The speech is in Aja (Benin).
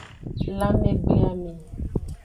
Lanmegbleame.